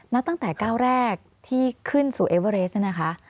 วันแรกที่ขึ้นสู่เอเวอเรสนะคะ